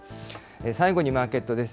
最後にマーケットです。